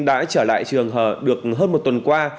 đã trở lại trường hờ được hơn một tuần qua